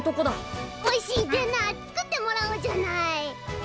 おいしいデナー作ってもらおうじゃない。